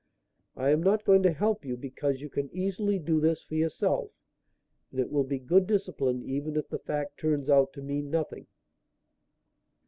I am not going to help you, because you can easily do this for yourself. And it will be good discipline even if the fact turns out to mean nothing."